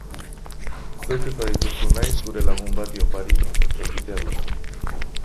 Zeuk ez badituzu nahi zure lagun bati opari egitea duzu.